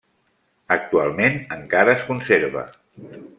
Actualment encara es conserva.